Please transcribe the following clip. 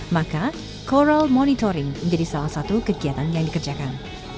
maka coral monitoring menjadi salah satu kegiatan yang dikerjakan